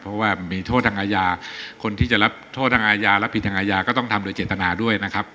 เพราะว่ามีโทษทางอาญาคนที่จะรับโทษทางอาญารับผิดทางอาญาก็ต้องทำโดยเจตนาด้วยนะครับ